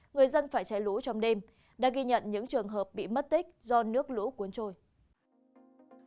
người dân phải cháy lũ trong đêm đã ghi nhận những trường hợp bị mất tích do nước lũ cuốn trôi